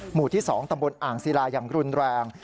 หมู่ที่๒ตำบลอ่างศิลาอย่างรุนแรง